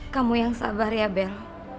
kamu yang sabar ya bel